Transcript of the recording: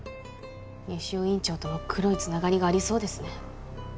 西尾院長とも黒い繋がりがありそうですね。